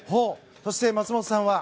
そして、松元さんは？